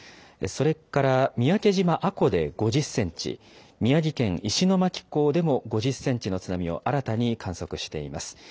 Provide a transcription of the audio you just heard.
それから三宅島阿古で５０センチ、宮城県石巻港でも５０センチの津波を新たに観測しています。